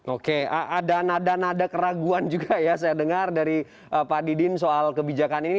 oke ada nada nada keraguan juga ya saya dengar dari pak didin soal kebijakan ini